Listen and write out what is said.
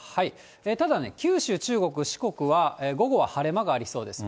ただね、九州、中国、四国は、午後は晴れ間がありそうです。